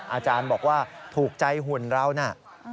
อาจารย์บอกว่าถูกใจหุ่นเรานะ